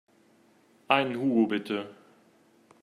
Einen Hugo bitte.